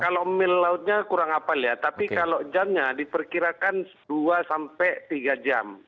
kalau mil lautnya kurang apa ya tapi kalau jamnya diperkirakan dua sampai tiga jam